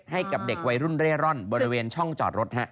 ให้กับเด็กวัยรุ่นเร่ร่อนบริเวณช่องจอดรถ